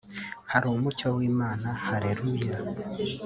hari umucyo w'Imana Halleluyah